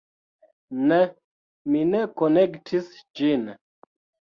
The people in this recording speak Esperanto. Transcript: Ne! mi ne konektis ĝin